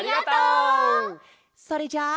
それじゃあ。